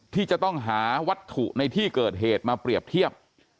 ที่จะต้องหาวัตถุในที่เกิดเหตุมาเปรียบเทียบ